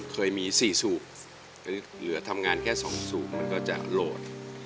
เคยมี๔สูบเหลือทำงานแค่๒สูบมันก็จะโหลด